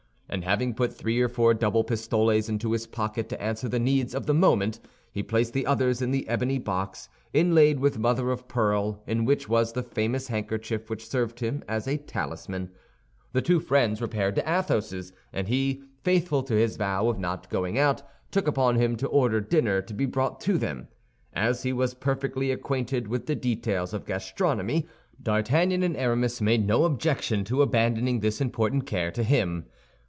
And having put three or four double pistoles into his pocket to answer the needs of the moment, he placed the others in the ebony box, inlaid with mother of pearl, in which was the famous handkerchief which served him as a talisman. The two friends repaired to Athos's, and he, faithful to his vow of not going out, took upon him to order dinner to be brought to them. As he was perfectly acquainted with the details of gastronomy, D'Artagnan and Aramis made no objection to abandoning this important care to him.